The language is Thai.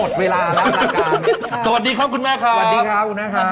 สวัสดีครับคุณมาค่า